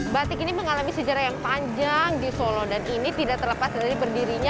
batik ini mengalami sejarah yang panjang di solo dan ini tidak terlepas dari berdirinya